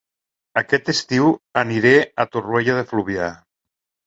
Aquest estiu aniré a Torroella de Fluvià